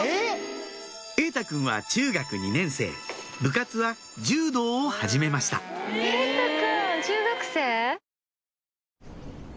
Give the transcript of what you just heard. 瑛太君は中学２年生部活は柔道を始めました瑛太君中学生？